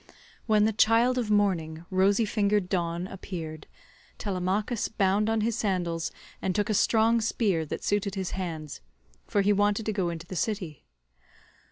When the child of morning, rosy fingered Dawn, appeared, Telemachus bound on his sandals and took a strong spear that suited his hands, for he wanted to go into the city.